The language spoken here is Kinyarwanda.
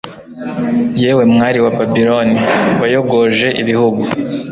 yewe, mwari wa babiloni, wayogoje ibihugu